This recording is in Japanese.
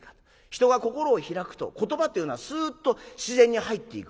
人が心を開くと言葉っていうのはスッと自然に入っていくわけで。